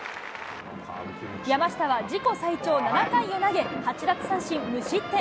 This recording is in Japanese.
山下は自己最長７回を投げ、８奪三振、無失点。